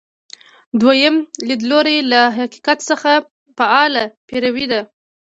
دویم لیدلوری له حقیقت څخه فعاله پیروي ده.